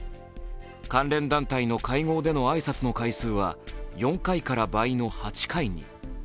関連団体の会合での挨拶の回数は４回から倍の８回に。